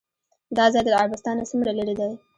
دا ځای له عربستان نه څومره لرې دی؟